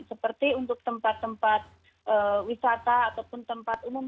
seperti untuk tempat tempat wisata ataupun tempat umum